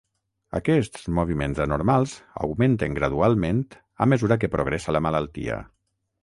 Aquests moviments anormals augmenten gradualment a mesura que progressa la malaltia.